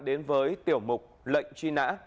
đến với tiểu mục lệnh truy nã